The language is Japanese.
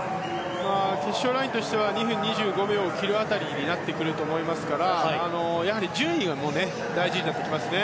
決勝ラインとしては２分２５秒を切る辺りになってくると思いますからやはり順位が大事になってきますね。